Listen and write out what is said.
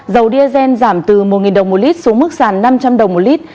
dầu diesel giảm từ một đồng một lít xuống mức sàn năm trăm linh đồng một lít